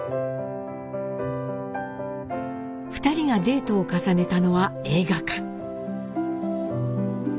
２人がデートを重ねたのは映画館。